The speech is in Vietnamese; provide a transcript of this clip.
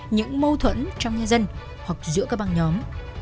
những mâu thuẫn trong nhân dân hoặc giữa các băng nhóm